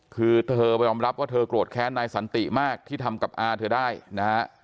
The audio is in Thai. คือเธอยอมรับว่าเธอโกรธแค้นนายสันติมากที่ทำกับอาเธอได้นะฮะ